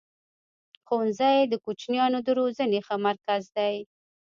ښوونځی د کوچنیانو د روزني ښه مرکز دی.